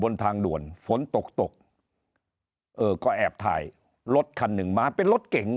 บนทางด่วนฝนตกตกเออก็แอบถ่ายรถคันหนึ่งมาเป็นรถเก่ง